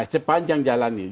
sepanjang jalan itu